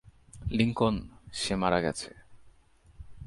Lincoln, সে মারা গেছে।